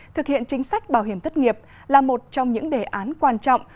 thực hiện chính sách bảo hiểm thất nghiệp là một trong những đề án quan trọng